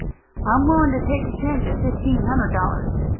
I'm willing to take a chance at fifteen hundred dollars.